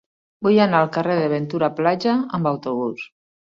Vull anar al carrer de Ventura Plaja amb autobús.